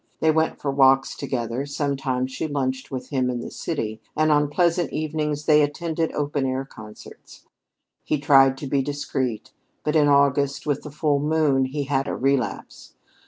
They went for walks together; sometimes she lunched with him in the city, and on pleasant evenings they attended open air concerts. He tried to be discreet, but in August, with the full moon, he had a relapse.